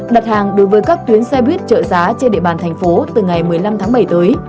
đặt hàng đối với các tuyến xe buýt trợ giá trên địa bàn thành phố từ ngày một mươi năm tháng bảy tới